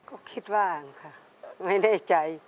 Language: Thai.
ก็คิดว่าค่ะไม่แน่ใจ